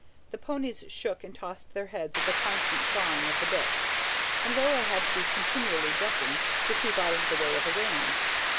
The ponies shook and tossed their heads at the constant sawing of the bits, and Laura had to be continually ducking, to keep out of the way of the reins.